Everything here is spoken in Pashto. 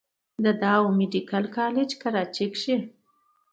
د ډاؤ ميديکل کالج کراچۍ کښې